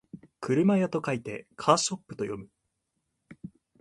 車屋と書いてカーショップと読む